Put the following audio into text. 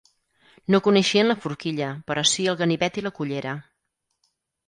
No coneixien la forquilla però si el ganivet i la cullera.